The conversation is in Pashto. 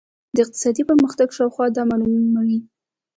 د اقتصادي پرمختګ شاخصونه دا معلوموي.